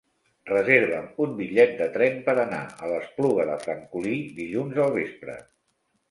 Reserva'm un bitllet de tren per anar a l'Espluga de Francolí dilluns al vespre.